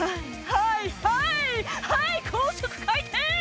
はいはいはい高速回転！」